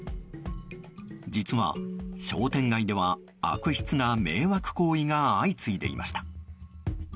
実は、商店街では悪質な迷惑行為が相次いでいました。